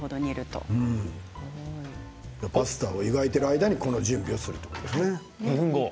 パスタを湯がいている間にこの準備をするということですね。